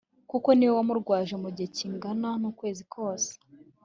kuko niwe wamurwaje mu gihe kingana nukwezi kose